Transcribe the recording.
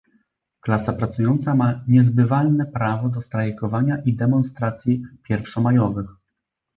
Klasa pracująca ma niezbywalne prawo do strajkowania i demonstracji pierwszomajowych